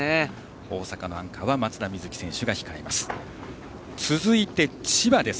大阪のアンカーは松田瑞生選手が控えます。